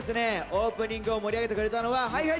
オープニングを盛り上げてくれたのはＨｉＨｉＪｅｔｓ！